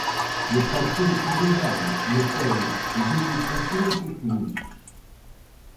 No partido co Bilbao meteu vinte e cinco puntos.